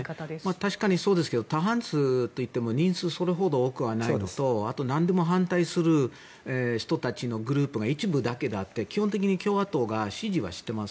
確かにそうですけど多数といっても人数はそれほど多くはないのとあと、何でも反対する人たちのグループが一部だけであって、基本的に共和党が支持しています。